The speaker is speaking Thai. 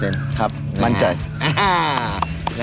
แน่นอนวัน๑๐๐ครับมันเจึ่ง